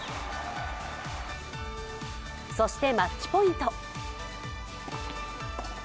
そしてマッチポイント。